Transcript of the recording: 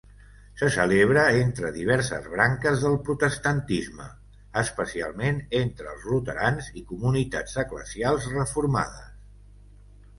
Se celebra entre diverses branques del protestantisme, especialment entre els luterans i comunitats eclesials reformades.